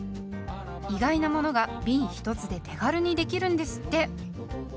意外なものがびん１つで手軽にできるんですって。